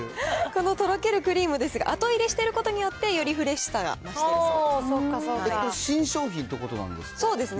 このとろけるクリームですが、後入れしていることによって、よりフレッシュさが増しているそうです。